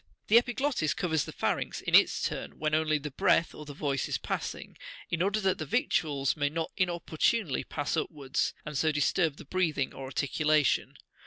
59 The epiglottis covers the pharynx, in its turn, when only the breath or the voice is passing, in order that the victuals may not inopportunely pass upwards, and so disturb the breathing or articulation.